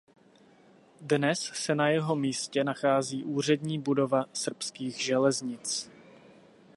Dnes se na jeho místě nachází úřední budova Srbských železnic.